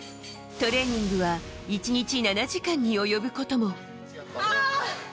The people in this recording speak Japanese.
トレーニングは１日７時間に及ぶことも。